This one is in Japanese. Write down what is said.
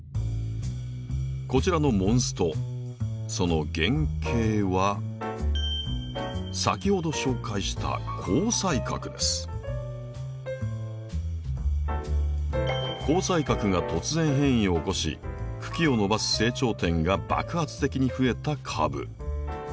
こちらのモンストその原型は先ほど紹介した紅彩閣が突然変異を起こし茎を伸ばす成長点が爆発的にふえた株。